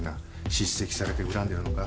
叱責されて恨んでるのか？